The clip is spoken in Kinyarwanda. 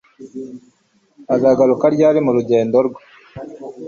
Azagaruka ryari mu rugendo rwe